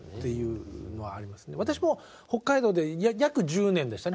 私も北海道で約１０年でしたね。